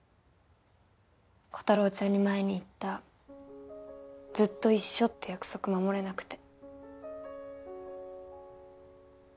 コタローちゃんに前に言った「ずっと一緒」って約束守れなくて。